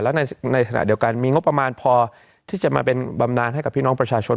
แล้วในขณะเดียวกันมีงบประมาณพอที่จะมาเป็นบำนานให้กับพี่น้องประชาชน